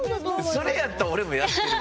それやったら俺もやってるわ。